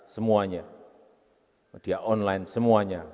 semuanya media online semuanya